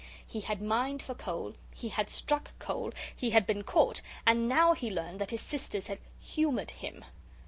He had mined for coal, he had struck coal, he had been caught, and now he learned that his sisters had 'humoured' him.